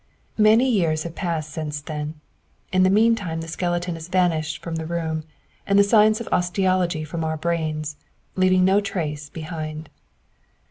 Many years have passed since then. In the meantime the skeleton has vanished from the room, and the science of osteology from our brains, leaving no trace behind.